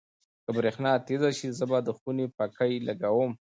که برېښنا تېزه شي، زه به د خونې پکۍ لګوم.